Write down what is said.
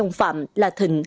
ba đồng phạm là thịnh